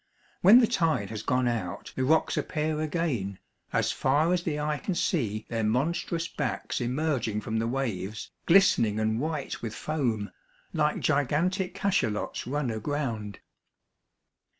When the tide has gone out the rocks appear again, as far as the eye can see their monstrous backs emerging from the waves, glistening and white with foam, like gigantic cachalots run aground.